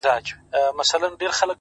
اخلاق د انسان تلپاتې ښکلا ده.